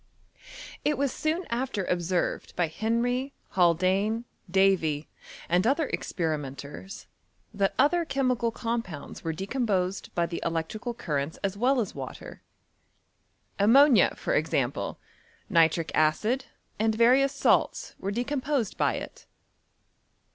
It was soon after observed by Henry, Haldane, Davy^ and other experimenters, that other chemical 356 HISTOST OF CHEHTSTRr. compounds were decomposed by the electrical cnr renls as well aa water. Ammonia, for example, nitric acid, and various salts, were decomposed by it.